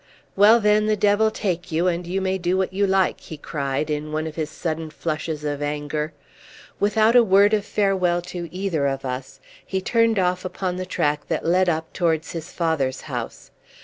"Well, then, the devil take you, and you may do what you like!" he cried, in one of his sudden flushes of anger. Without a word of farewell to either of us, he turned off upon the track that led up towards his father's house.